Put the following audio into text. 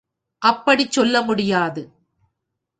அப்படிச் சொல்ல முடியாது.